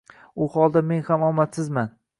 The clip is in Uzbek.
U holda men ham omadsizman